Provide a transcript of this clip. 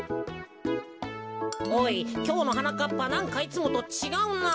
おいきょうのはなかっぱなんかいつもとちがうなぁ。